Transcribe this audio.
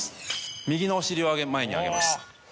右のお尻を前に上げます。